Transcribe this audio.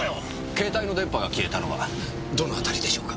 携帯の電波が消えたのはどの辺りでしょうか？